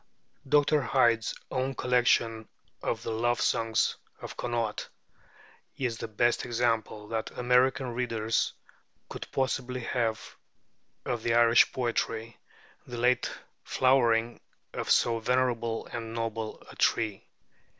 Dr. Hyde's own collection of the 'Love Songs of Connacht' is the best example that American readers could possibly have of this Irish poetry, the late flowering of so venerable and noble a tree.